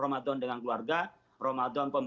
ramadan dengan keluarga ramadan